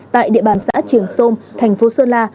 tại địa bàn xã trường sơn thành phố sơn la